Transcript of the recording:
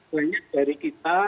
banyak dari kita